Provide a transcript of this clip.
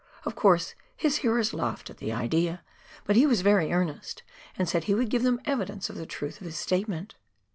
Of course, his hearers laughed at the idea, but he was very earnest, and said he would give them evidence of the truth of his statement.